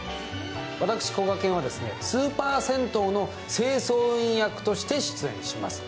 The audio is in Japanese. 私、こがけんはスーパー銭湯の清掃員役として出演します。